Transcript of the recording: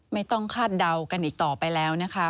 ไม่ต้องคาดเดากันอีกต่อไปแล้วนะคะ